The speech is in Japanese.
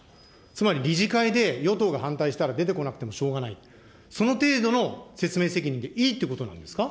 つまり、理事会で与党が反対したら出てこなくてもしょうがない、その程度の説明責任でいいってことなんですか。